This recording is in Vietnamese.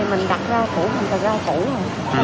mình đặt ra củ hình thật ra củ